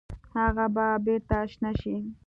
هغه به بیرته شنه شي؟